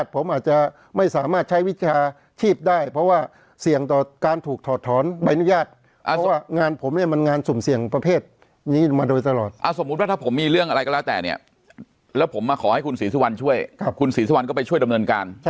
ผมมาขอให้คุณศรีสุวรรณช่วยคุณศรีสุวรรณก็ไปช่วยดำเนินการ